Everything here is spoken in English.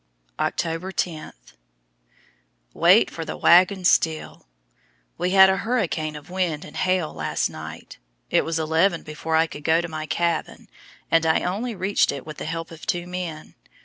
October 10. "Wait for the wagon" still! We had a hurricane of wind and hail last night; it was eleven before I could go to my cabin, and I only reached it with the help of two men.